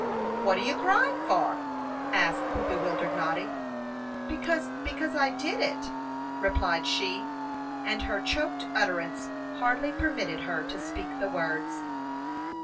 "What are you crying for?" asked the bewildered Noddy. "Because because I did it," replied she; and her choked utterance hardly permitted her to speak the words.